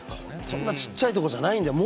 そんなちっちゃいとこじゃないんだよ